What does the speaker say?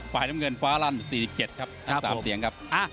พร้อมวิทยา